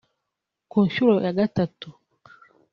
Ku nshuro ya gatatu